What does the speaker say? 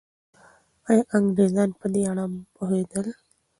آیا انګریزان په دې اړه پوهېدل؟